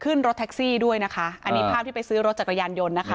รถแท็กซี่ด้วยนะคะอันนี้ภาพที่ไปซื้อรถจักรยานยนต์นะคะ